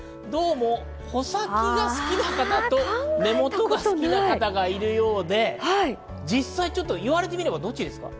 穂先が好きな方と根本が好きな方がいるようで、実際言われてみればどっちですか？